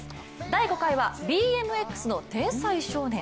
第５回はＢＭＸの天才少年。